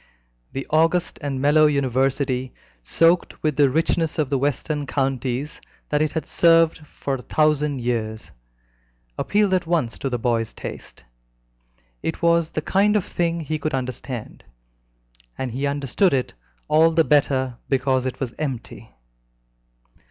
The august and mellow University, soaked with the richness of the western counties that it has served for a thousand years, appealed at once to the boy's taste: it was the kind of thing he could understand, and he understood it all the better because it was empty.